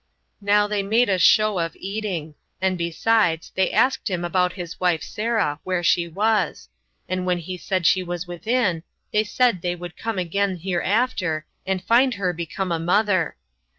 Now they made a show of eating; and besides, they asked him about his wife Sarah, where she was; and when he said she was within, they said they would come again hereafter, and find her become a mother.